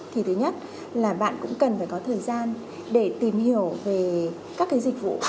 thì thứ nhất là bạn cũng cần phải có thời gian để tìm hiểu về các cái dịch vụ